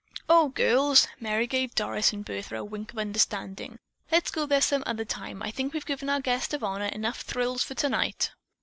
"O, girls," Merry gave Doris and Bertha a wink of understanding, "let's go there some other time. I think we've given our guests of honor enough thrills for tonight."